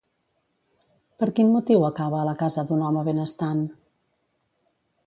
Per quin motiu acaba a la casa d'un home benestant?